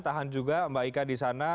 tahan juga mbak ika di sana